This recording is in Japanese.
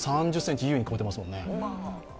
３０ｃｍを優に超えてますもんね。